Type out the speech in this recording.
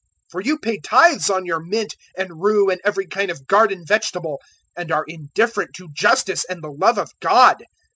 for you pay tithes on your mint and rue and every kind of garden vegetable, and are indifferent to justice and the love of God.